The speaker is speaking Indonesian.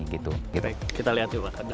kita lihat yuk